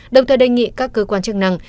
đồng thời đề nghị các cơ quan chức năng